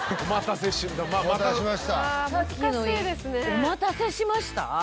「お待たせしました。」？